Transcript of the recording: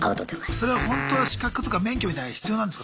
それはほんとは資格とか免許みたいの必要なんですか？